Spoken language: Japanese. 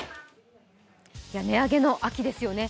値上げの秋ですよね。